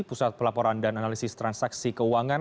pusat pelaporan dan analisis transaksi keuangan